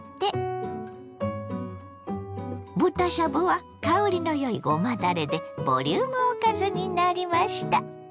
豚しゃぶは香りのよいごまだれでボリュームおかずになりました。